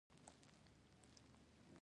تر ژبه لاندې یې نه کوم.